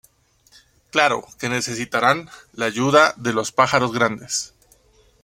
Claro, que necesitarán la ayuda de los pájaros grandes.